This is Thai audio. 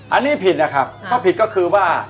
อันนี้ผิดนะครับถ้าผิดก็คือว่า